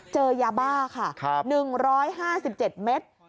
เจอยาบ้าค่ะ๑๕๗เมตร